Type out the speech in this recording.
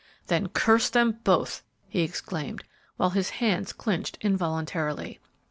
"Then curse them both!" he exclaimed, while his hands clinched involuntarily.